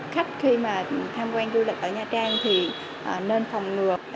khách khi mà tham quan du lịch ở nha trang thì nên phòng ngừa